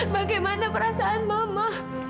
bagaimana perasaan mama